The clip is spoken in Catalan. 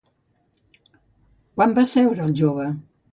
Quan va seure el jove?